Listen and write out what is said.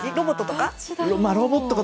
ロボットとか？